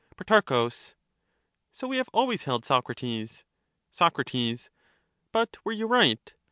Pro, So we have always held, Socrates. 37 Soc. But were you right